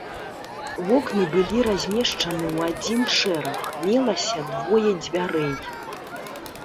Вокны былі размешчаны ў адзін шэраг, мелася двое дзвярэй.